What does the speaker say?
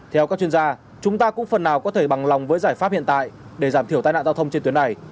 theo các chuyên gia chúng ta cũng phần nào có thể bằng lòng với giải pháp hiện tại để giảm thiểu tai nạn giao thông trên tuyến này